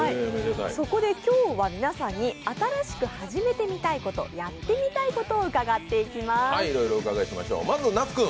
そこで今日は皆さんに新しく初めてみたいことやってみたいことを伺っていきます。